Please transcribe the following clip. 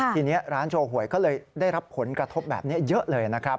ทีนี้ร้านโชว์หวยก็เลยได้รับผลกระทบแบบนี้เยอะเลยนะครับ